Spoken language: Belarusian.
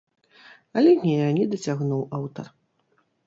Але не, не дацягнуў аўтар.